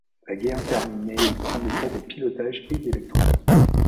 La guerre terminée il prend des cours de pilotage et d’électronique.